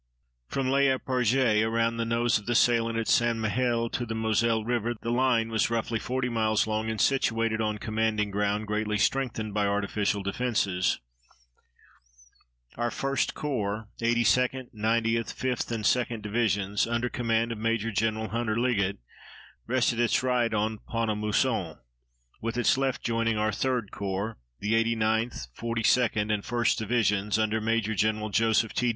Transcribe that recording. From Les Eparges around the nose of the salient at St. Mihiel to the Moselle River the line was, roughly, forty miles long and situated on commanding ground greatly strengthened by artificial defenses. Our 1st Corps (82d, 90th, 5th, and 2d Divisions), under command of Major Gen. Hunter Liggett, resting its right on Pont à Mousson, with its left joining our 3d Corps (the 89th, 42d, and 1st Divisions), under Major Gen. Joseph T.